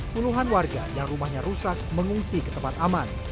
puluhan warga yang rumahnya rusak mengungsi ke tempat aman